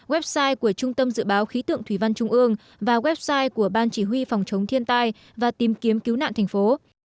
website của trung tâm dự báo khí tượng thủy văn trung ương và website của ban chỉ huy phòng chống thiên tai và tìm kiếm cứu nạn thành phố